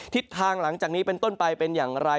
ทิศทางหลังจากนี้เป็นต้นไปเป็นอย่างไร